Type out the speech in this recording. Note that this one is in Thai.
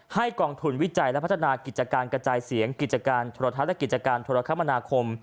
กองทุนวิจัยและพัฒนากิจการกระจายเสียงกิจการโทรทัศน์และกิจการโทรคมนาคม